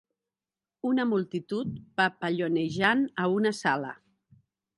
Una multitud papallonejant a una sala